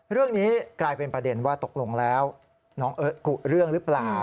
เรื่องนี้กลายเป็นประเด็นว่าตกลงแล้วน้องเอิ๊กกุเรื่องหรือเปล่า